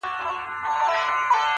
نور د منبر څوکو ته مه خېژوه؛